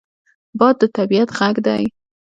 باد د طبعیت غږ دی